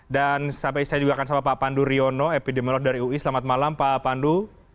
dan saya juga akan bersama pak pandu riono epidemiolog dari ui selamat malam pak pandu